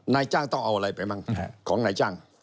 นายจ้างต้องเอาอะไรไปบ้างของนายจ้าง